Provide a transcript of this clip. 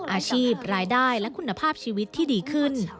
อาชีพรายได้และคุณภาพชีวิตที่ดีขึ้น